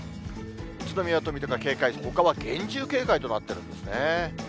宇都宮と水戸が警戒、ほかは厳重警戒となってるんですね。